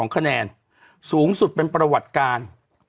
คะแนนสูงสุดเป็นประวัติการ